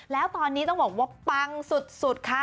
แล้วตอนนี้ต้องบอกว่าปังสุดค่ะ